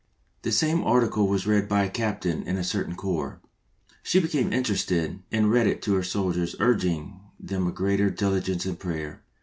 The same article was read by a Captain in a certain Corps. She became interested and read it to her soldiers, urging them to 'greater diligence in prayer.